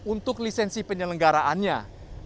untuk lisensi penyelenggaraan formula e di jakarta